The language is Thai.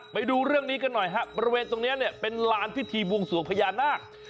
ไปดูเรื่องนี้กันหน่อยฮะบริเวณตรงนี้เนี่ยเป็นลานพิธีบวงสวงพญานาค